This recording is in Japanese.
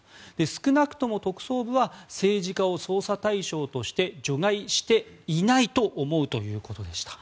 少なくとも特捜部は政治家を捜査対象として除外していないと思うということでした。